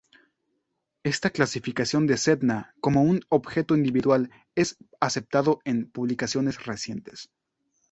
Esta clasificación de Sedna como un objeto individual es aceptado en publicaciones recientes.